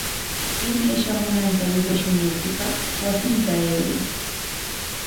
Imay shamunanta willashunaykipaq wasinta ayway.